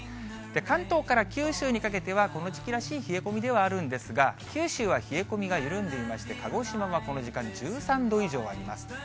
関東から九州にかけてはこの時期らしい冷え込みではあるんですが、九州は冷え込みが緩んでいまして、鹿児島はこの時間、１３度以上あります。